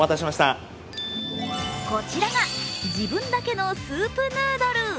こちらが自分だけのスープヌードル。